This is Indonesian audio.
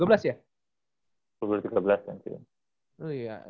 bener kan dua ribu tiga belas ya